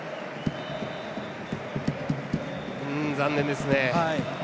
残念ですね。